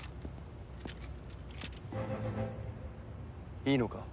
いいのか？